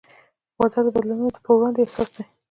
بازار د بدلونونو په وړاندې حساس دی.